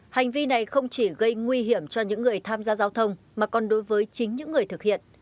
hành vi này không chỉ gây nguy hiểm cho những người tham gia giao thông mà còn đối với chính những người thực hiện